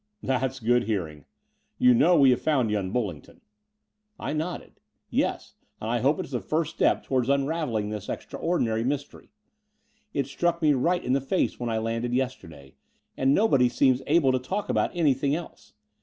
"That's good hearing. You know we have found young BuUingdon?" I nodded. "Yes; and I hope it's the first step towards unravelling this extraordinary mystery. It struck me right in the face when I landed yesterday ; and nobody seems able to talk about anything else.